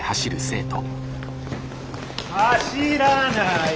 走らない！